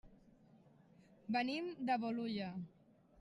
Venim de Bolulla.